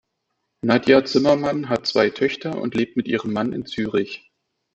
Nadja Zimmermann hat zwei Töchter und lebt mit ihrem Mann in Zürich.